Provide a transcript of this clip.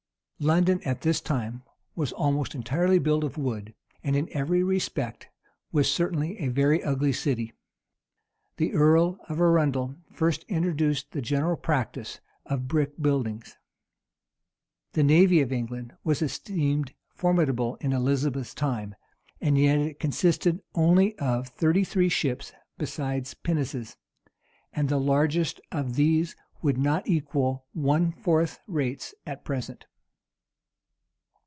London at this time was almost entirely built of wood, and in every respect was certainly a very ugly city. The earl of Arundel first introduced the general practice of brick buildings.[] The navy of England was esteemed formidable in Elizabeth's time, yet it consisted only of thirty three ships, besides pinnaces;[] and the largest of these would not equal our fourth rates at present.